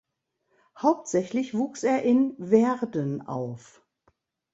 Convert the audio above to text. Hauptsächlich wuchs er in Wehrden auf.